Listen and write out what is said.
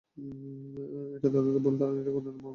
এটা তাদের ভুল ধারণা এবং এটা কুরআনের মর্মের পরিপন্থী।